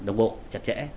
đồng bộ chặt chẽ